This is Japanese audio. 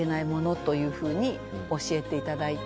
というふうに教えていただいて。